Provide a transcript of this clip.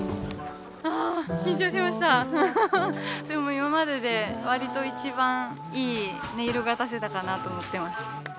でも今までで割と一番いい音色が出せたかなと思ってます。